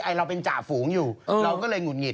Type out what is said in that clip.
ไอ่เราเป็นจะฝูงอยู่เราก็เลยหนุนหยิต